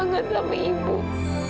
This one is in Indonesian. ibu ingin ketemu sama kamilah